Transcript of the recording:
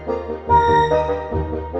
aku kesana deh